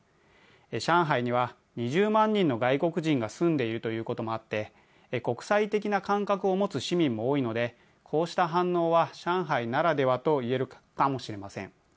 上海には、２０万人の外国人が住んでいるということもあって国際的な感覚を持つ市民も多いのでこうした反応は、上海ならではと言えるかもしれません。